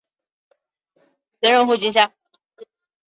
曾任护军校。